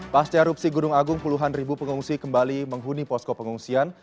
pas erupsi gunung agung puluhan ribu pengungsi kembali menghuni posko pengungsian